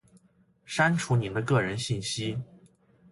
删除您的个人信息；